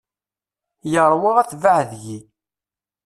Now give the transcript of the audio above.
Yerwa atbaɛ deg-i.